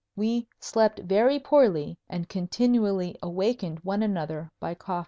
We slept very poorly and continually awakened one another by coughing.